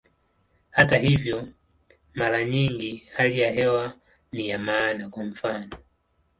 Hata hivyo, mara nyingi hali ya hewa ni ya maana, kwa mfano.